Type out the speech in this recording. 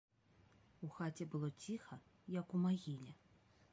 У хаце было ціха, як у магіле.